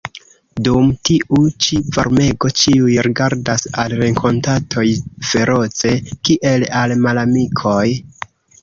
Dum tiu ĉi varmego ĉiuj rigardas al renkontatoj feroce, kiel al malamikoj.